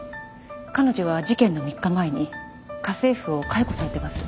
彼女は事件の３日前に家政婦を解雇されています。